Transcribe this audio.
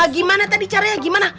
gimana tadi caranya gimana